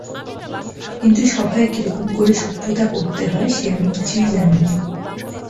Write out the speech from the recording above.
কিন্তু সভায় কিরকম করে সভ্যতা করতে হয়, সে আমি কিছুই জানি নে।